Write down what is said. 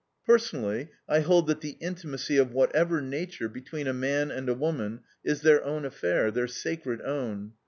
Personally, I hold that the intimacy, of whatever nature, between a man and a woman, is their own affair, their sacred own.